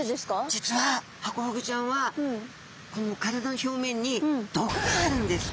実はハコフグちゃんはこの体の表面に毒があるんです。